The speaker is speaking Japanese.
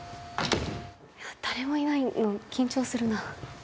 誰もいないの緊張するな